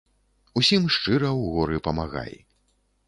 Усім шчыра ў горы памагай.